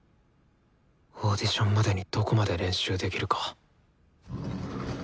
オーディションまでにどこまで練習できるか。